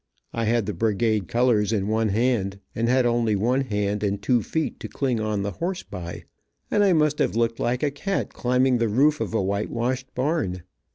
I had the brigade colors in one hand, and had only one hand and two feet to cling on the horse by, and I must have looked like a cat climbing the roof of a whitewashed barn.